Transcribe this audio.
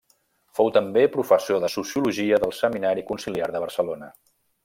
Fou també professor de sociologia del Seminari Conciliar de Barcelona.